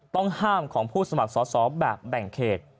ต้องห้ามของผู้สมัครสอสอแบบแบ่งเขต